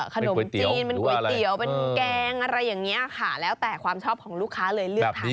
ขนมจีนเป็นก๋วยเตี๋ยวเป็นแกงอะไรอย่างนี้ค่ะแล้วแต่ความชอบของลูกค้าเลยเลือกทาน